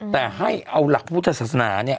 แต่ให้เอาหลักพระภุทธศาสนานี้